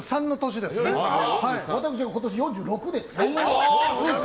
私が今年４６です。